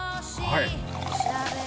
はい？